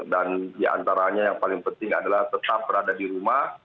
dan diantaranya yang paling penting adalah tetap berada di rumah